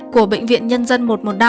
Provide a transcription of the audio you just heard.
của bệnh viện nhân dân một trăm một mươi năm